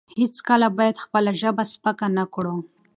هیڅکله باید خپله ژبه سپکه نه کړو.